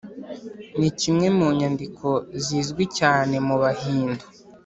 ni kimwe mu nyandiko zizwi cyane mu bahindu.